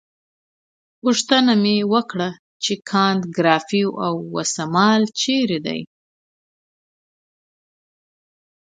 پوښتنه مې وکړه چې کانت ګریفي اوسمهال چیرې دی.